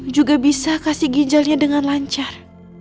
juga bisa kasih ginjalnya dengan lancar